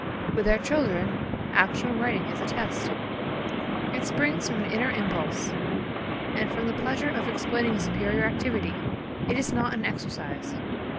With our children, actual writing is a test, it springs from an inner impulse, and from the pleasure of explaining a superior activity; it is not an exercise.